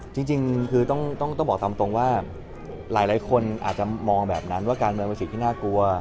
จริงคือต้องบอกตามตรงว่าหลายคนอาจจะมองแบบนั้นว่าการเมืองเป็นสิ่งที่น่ากลัว